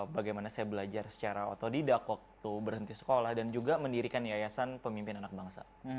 bagaimana saya belajar secara otodidak waktu berhenti sekolah dan juga mendirikan yayasan pemimpin anak bangsa